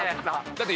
だって。